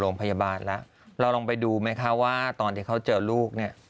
โรงพยาบาลแล้วเราลองไปดูไหมคะว่าตอนที่เขาเจอลูกเนี่ย